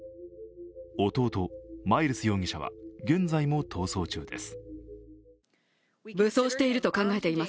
弟・マイルス容疑者は現在も逃走中です。